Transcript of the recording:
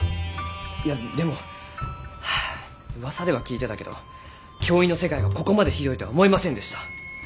いやでもハアうわさでは聞いてたけど教員の世界がここまで酷いとは思いませんでした。